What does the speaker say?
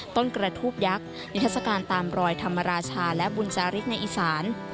กระทูบยักษ์นิทัศกาลตามรอยธรรมราชาและบุญจาริกในอีสาน